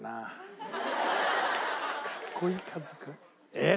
えっ？